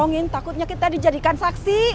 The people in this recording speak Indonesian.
bohongin takutnya kita dijadikan saksi